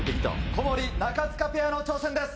小森・中務ペアの挑戦です。